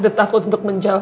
terlalu lama untuk memutuskan